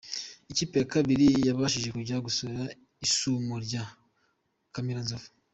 Ikipe ya kabiri yo yabashije kujya gusura isumo rya Kamiranzovu.